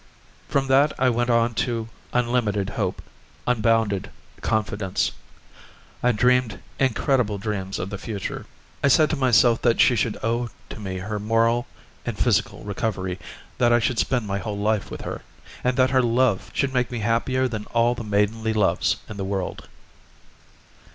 From that I went on to unlimited hope, unbounded confidence. I dreamed incredible dreams of the future; I said to myself that she should owe to me her moral and physical recovery, that I should spend my whole life with her, and that her love should make me happier than all the maidenly loves in the world.